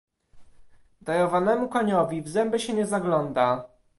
Darowanemu koniowi w zęby się nie zagląda!